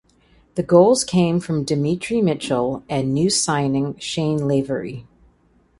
The goals came from Demetri Mitchell and new signing Shayne Lavery.